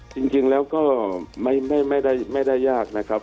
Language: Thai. จริงแล้วก็ไม่ได้ยากนะครับ